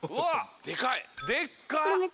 でかい！